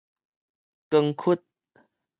光 𣮈